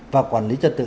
và quản lý trật tự